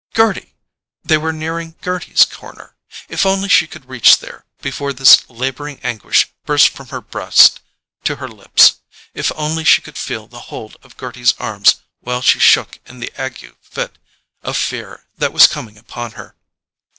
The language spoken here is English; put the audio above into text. Gerty!—they were nearing Gerty's corner. If only she could reach there before this labouring anguish burst from her breast to her lips—if only she could feel the hold of Gerty's arms while she shook in the ague fit of fear that was coming upon her!